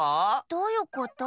どういうこと？